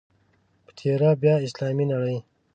په تېره بیا اسلامي نړۍ.